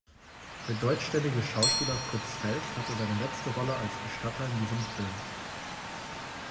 Der deutschstämmige Schauspieler Fritz Feld hatte seine letzte Rolle als Bestatter in diesem Film.